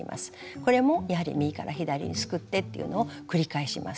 これもやはり右から左にすくってっていうのを繰り返します。